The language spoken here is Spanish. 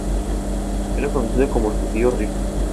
Era conocido como "el judío rico".